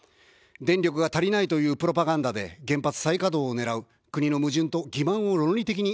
電力が足りないというプロパガンダで原発再稼働を狙う、国の矛盾と欺まんを論理的に暴く。